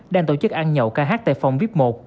đang tổ chức ăn nhậu ca hát tại phòng vip một